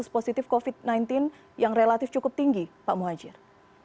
kasus positif covid sembilan belas yang relatif cukup tinggi pak muhajir